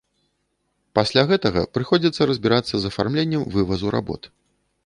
Пасля гэтага прыходзіцца разбірацца з афармленнем вывазу работ.